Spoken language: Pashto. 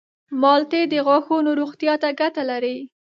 مالټې د غاښونو روغتیا ته ګټه لري.